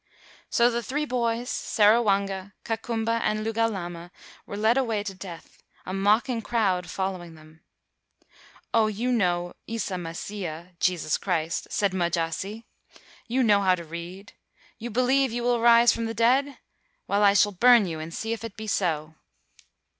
"So the three boys, Seruwanga, Ka kumba, and Lugalama, were led away to death, a mocking crowd following the 214 THREE BOY HEROES " 'Oh, you know Isa Masiya [Jesus Christ],' said Mujasi. 'You know how to read.' 'You believe you will rise from the dead?' 'Well, I shall burn you and see if it be so.'